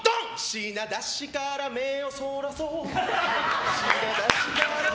品出しから目をそらそう！